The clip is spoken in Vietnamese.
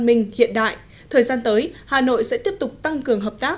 minh hiện đại thời gian tới hà nội sẽ đạt được tổ chức thi dự thi trung học phổ thông quốc gia tăng